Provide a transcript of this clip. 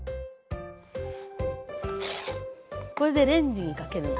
これでレンジにかけるの。